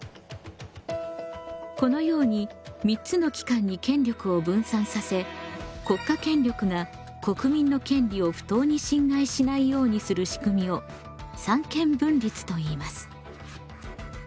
このように３つの機関に権力を分散させ国家権力が国民の権利を不当に侵害しないようにするしくみを三権分立といいます。